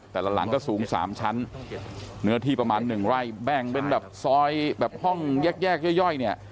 แต่ละหลังก็สูงสามชั้นเนื้อที่ประมาณหนึ่งไร่แบ่งเป็นแบบซอยแบบห้องแยกแยกย่อยย่อยเนี่ย